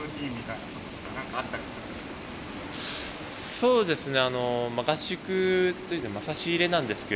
そうですね。